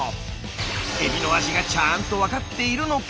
エビの味がちゃんと分かっているのか？